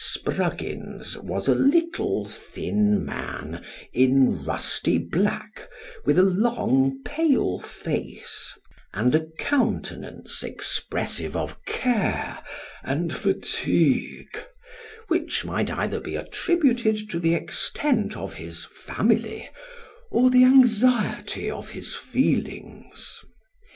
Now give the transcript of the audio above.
Spruggins was a little thin man, in rusty black, with a long pale face, and a countenance expressive of care and fatigue, which might either be attributed to the extent of his family or the anxiety of his feelings.